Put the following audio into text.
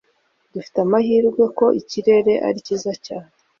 dufite amahirwe ko ikirere ari cyiza cyane